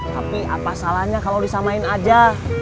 tapi apa salahnya kalau disamain aja